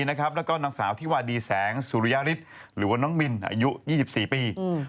แล้วก็นางสาวที่วาดีแสงสุริยฤทธิ์หรือว่าน้องมินอายุ๒๔ปี